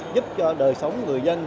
giúp cho đời sống người dân